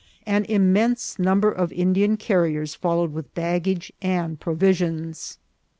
An immense number of Indian carriers followed with baggage and provisions.